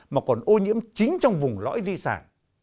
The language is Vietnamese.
mà còn ô nhiễm chính trong vùng lõi di sản